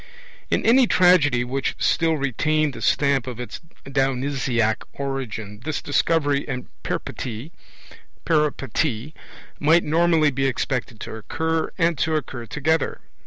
In any tragedy which still retained the stamp of its Dionysiac origin, this Discovery and Peripety might normally be expected to occur, and to occur together.